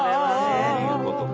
そういうことか。